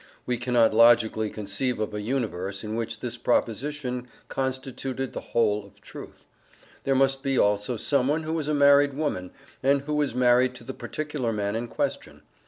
We cannot logically conceive of a universe in which this proposition constituted the whole of truth. There must be also someone who is a married woman, and who is married to the particular man in question.